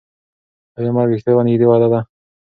ایا مرګ رښتیا یوه نږدې وعده ده؟